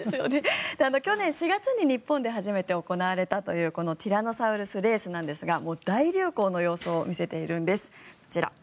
去年４月に日本で初めて行われたというこのティラノサウルスレースですが大流行の様相を見せているんです。